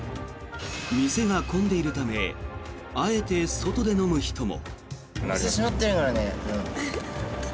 店が混んでいるためあえて外で飲む人も。